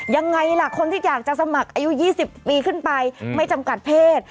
ยังไงล่ะคนที่อยากจะสมัครอายุ๒๐ปีขึ้นไปไม่จำกัดเพศ